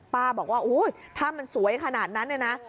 ป้าบอกว่าถ้ามันสวยขนาดนั้นเนี่ยนะ